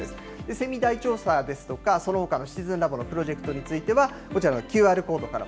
セミ大調査ですとか、そのほかのシチズンラボのプロジェクトについては、こちらのＱＲコードから